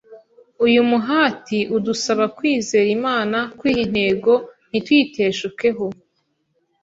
Uyu muhati udusaba kwizera Imana, kwiha intego ntituyiteshukeho,